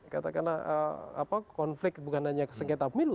katakanlah konflik bukan hanya sengketa pemilu